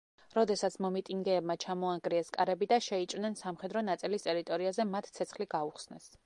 როდესაც მომიტინგეებმა ჩამოანგრიეს კარები და შეიჭრნენ სამხედრო ნაწილის ტერიტორიაზე მათ ცეცხლი გაუხსნეს.